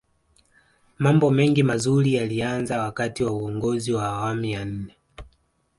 mambo mengi mazuri yalianza wakati wa uongozi wa awamu ya nne